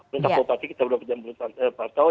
minta bapak ibu kita kita sudah berjambu di martau